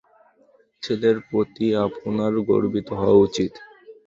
ছেলের প্রতি আপনার গর্বিত হওয়া উচিত।